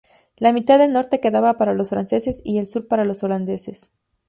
La mitad del norte quedaba para los franceses y el sur para los holandeses.